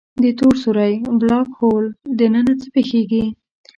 د تور سوری Black Hole دننه څه پېښېږي؟